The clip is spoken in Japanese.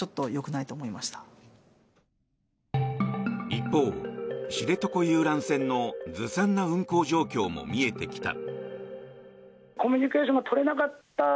一方、知床遊覧船のずさんな運航状況も見えてきた。